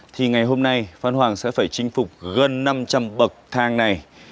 thì ngày hôm nay phan hoàng sẽ phải chinh phục gần năm trăm linh bậc thang này